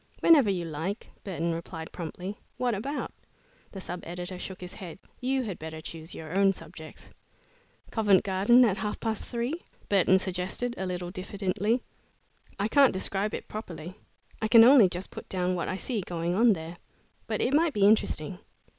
"Whenever you like," Burton replied promptly. "What about?" The sub editor shook his head. "You had better choose your own subjects." "Covent Garden at half past three?" Burton suggested, a little diffidently. "I can't describe it properly. I can only just put down what I see going on there, but it might be interesting."